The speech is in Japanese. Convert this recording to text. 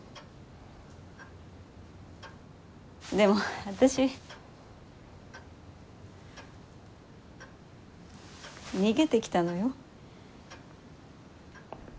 でも私逃げてきたのよ。